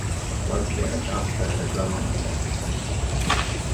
Was wäre das für eine Blamage!